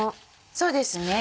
そうですね。